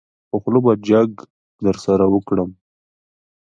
په خوله به جګ درسره وکړم.